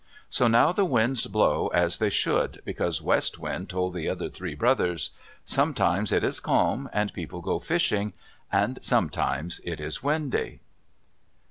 So now the winds blow as they should, because West Wind told the other three brothers. Sometimes it is calm, and people go fishing; and sometimes it is windy.